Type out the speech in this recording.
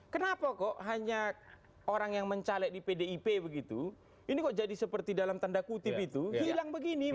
kenapa kok hanya orang yang mencaleg di pdip begitu ini kok jadi seperti dalam tanda kutip itu hilang begini